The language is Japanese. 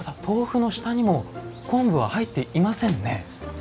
豆腐の下にも昆布は入っていませんね。